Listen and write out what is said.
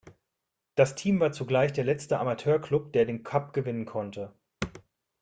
Das Team war zugleich der letzte Amateur-Club, der den Cup gewinnen konnte.